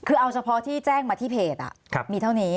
คือเอาเฉพาะที่แจ้งมาที่เพจมีเท่านี้